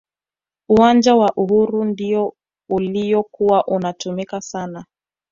uwanja wa uhuru ndiyo uliyokuwa unatumika sana